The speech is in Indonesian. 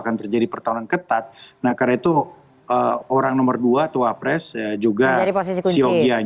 akan terjadi pertolongan ketat nah karena itu orang nomor dua tua pres juga dari posisi kunci